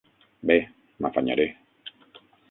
Bé, m'afanyaré.